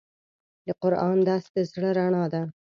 د قرآن درس د زړه رڼا ده.